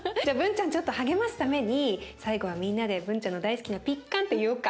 ちゃんちょっと励ますために最後はみんなでブンちゃんの大好きな「ピッカンテ」言おうか。